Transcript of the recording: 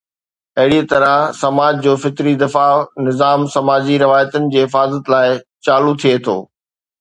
اهڙي طرح سماج جو فطري دفاعي نظام سماجي روايتن جي حفاظت لاءِ چالو ٿئي ٿو.